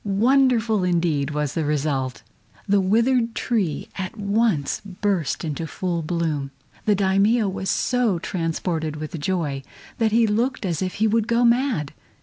Wonderful, indeed, was the result! The withered tree at once burst into full bloom! The Daimio was so transported with joy that he looked as if he would go mad.